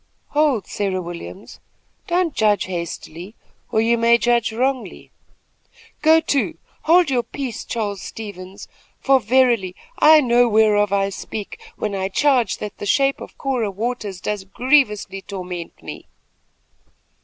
"Hold, Sarah Williams! Don't judge hastily, or you may judge wrongly." "Go to! hold your peace, Charles Stevens, for, verily, I know whereof I speak, when I charge that the shape of Cora Waters does grievously torment me."